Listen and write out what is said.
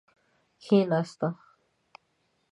کیناسته.